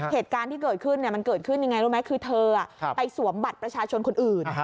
เหตุการณ์ที่เกิดขึ้นมันเกิดขึ้นยังไงรู้ไหมคือเธอไปสวมบัตรประชาชนคนอื่น